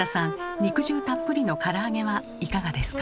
肉汁たっぷりのから揚げはいかがですか？